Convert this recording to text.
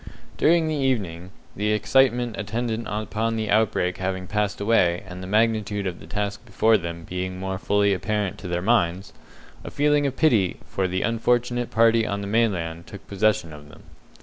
During the evening the excitement attendant upon the outbreak having passed away, and the magnitude of the task before them being more fully apparent to their minds a feeling of pity for the unfortunate party on the mainland took possession of them.